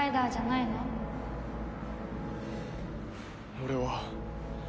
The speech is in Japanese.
俺は。